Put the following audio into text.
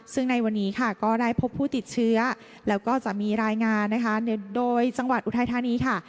ซึ่งในวันนี้ค่ะก็ได้พบผู้ติดเชื้อแล้วก็จะมีรายงานนะคะโดยจังหวัดอุทัยธานีค่ะ